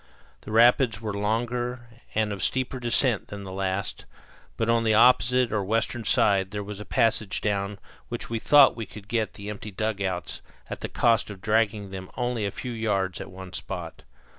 The rapids were longer and of steeper descent than the last, but on the opposite or western side there was a passage down which we thought we could get the empty dugouts at the cost of dragging them only a few yards at one spot.